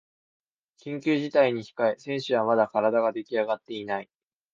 緊急事態に控え選手はまだ体ができあがってない